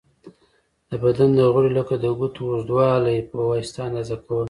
د بدن د غړیو لکه د ګوتو اوږوالی په واسطه اندازه کوله.